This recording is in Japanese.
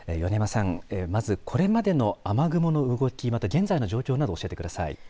まずこれまでの雨雲の動き、また現在の状況などを教えてください。